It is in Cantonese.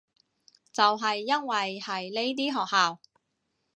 就係因為係呢啲學校